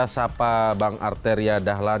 sapa bang arteria dahlan